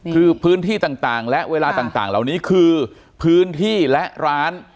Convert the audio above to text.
คือพื้นที่ต่างและเวลาต่างเหล่านี้คือพื้นที่และร้าน